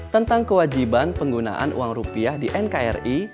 tentang kewajiban penggunaan uang rupiah di nkri